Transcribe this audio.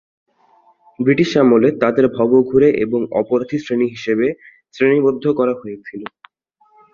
British আমলে তাদের ভবঘুরে এবং অপরাধী শ্রেণি হিসাবে শ্রেণিবদ্ধ করা হয়েছিল।